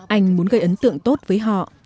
anh muốn gây ấn tượng tốt với họ